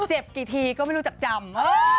เจ็บกี่ทีก็ไม่รู้จักจำ